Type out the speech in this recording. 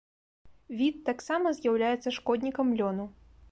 Від таксама з'яўляецца шкоднікам лёну.